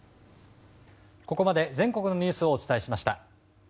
ここまで全国のニュースをお伝えしました。